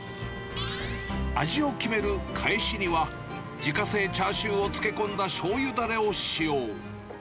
味を決めるかえしには、自家製チャーシューを漬け込んだしょうゆだれを使用。